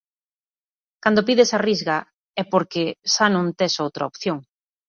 Cando pides a Risga é porque xa non tes outra opción.